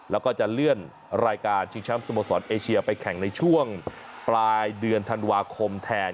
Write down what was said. แล้วก็จะเลื่อนรายการชิงแชมป์สโมสรเอเชียไปแข่งในช่วงปลายเดือนธันวาคมแทน